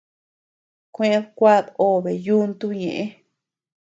Kuéd kuad obe yúntu ñëʼe.